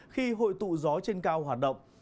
khi hội tụ gió trên cao hoạt động